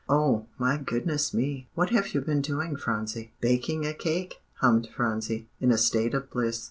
"Oh, my goodness me! what have you been doing, Phronsie?" "Baking a cake," hummed Phronsie, in a state of bliss.